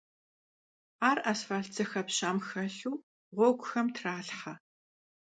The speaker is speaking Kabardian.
Ar asfalt zexepşam xelhu ğueguxem tralhhe.